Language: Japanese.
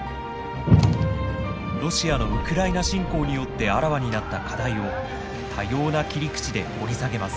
ロシアのウクライナ侵攻によってあらわになった課題を多様な切り口で掘り下げます。